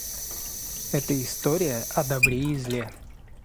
Эта история о добре и зле